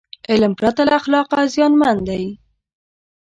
علم پرته له اخلاقه زیانمن دی.